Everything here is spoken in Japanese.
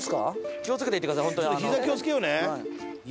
気を付けて行ってください。